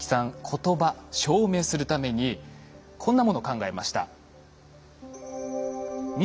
言葉証明するためにこんなものを考えました。